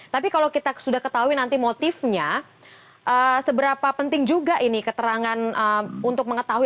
tapi kalau kita sudah ketahui nanti motifnya seberapa penting juga ini keterangan untuk mengetahui